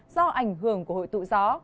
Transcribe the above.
do ảnh hưởng của hội tụ gió